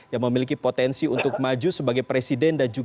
yang memiliki potensi untuk maju sebagai presiden dan juga